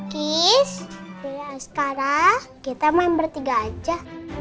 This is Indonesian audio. kukis dada askara kita main bertiga aja